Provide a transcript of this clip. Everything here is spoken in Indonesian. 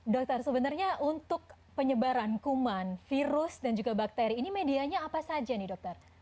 dokter sebenarnya untuk penyebaran kuman virus dan juga bakteri ini medianya apa saja nih dokter